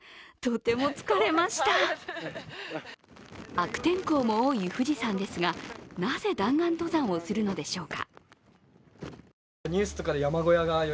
悪天候も多い富士山ですが、なぜ弾丸登山をするのでしょうか。